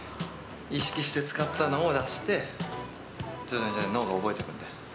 意識して使ったのを出して、徐々に脳が覚えていくんで。